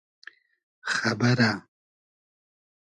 خئبئرۂ